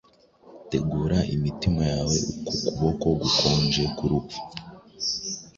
Tegura imitima yawe kuboko gukonje k'urupfu!